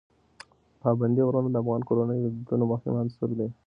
پابندي غرونه د افغان کورنیو د دودونو مهم عنصر دی.